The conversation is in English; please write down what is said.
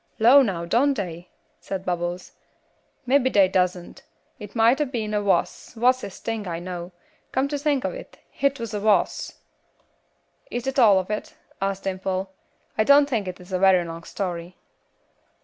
"Law now don't they?" said Bubbles, "mebbe they doesn't, hit might a been a wass, wasses sting I know. Come to think of it, hit was a wass." "Is that all of it?" asked Dimple. "I don't think it is a very long story."